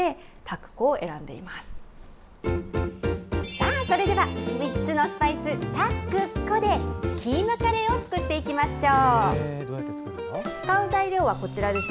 さあ、それでは３つのスパイス、タクコで、キーマカレーを作っていきましょう。